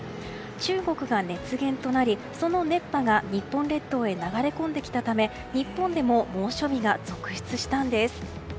中国が熱源となり、その熱波が日本列島へ流れ込んできたため日本でも猛暑日が続出したんです。